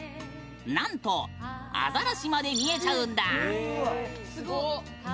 なんと、アザラシまで見えちゃうんだ。